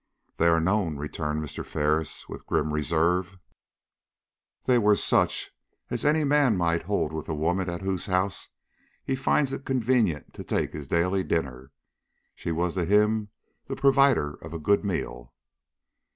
"They are known," returned Mr. Ferris, with grim reserve. "They were such as any man might hold with the woman at whose house he finds it convenient to take his daily dinner. She was to him the provider of a good meal."